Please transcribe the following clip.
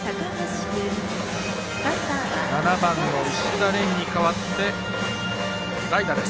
７番、石田恋に代わって代打です。